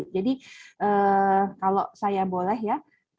kalau saya boleh ya